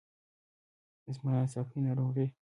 زما له ناڅاپي ناروغۍ.